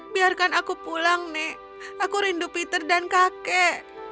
biarkan aku pulang nek aku rindu peter dan kakek